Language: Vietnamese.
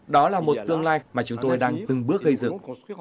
đó là một tương lai mà chúng tôi đang từng bước gây dựng